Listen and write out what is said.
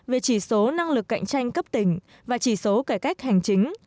về chỉ số năng lực cạnh tranh cấp tỉnh và chỉ số cải cách hành chính